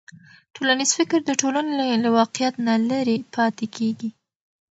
ټولنیز فکر د ټولنې له واقعیت نه لرې نه پاتې کېږي.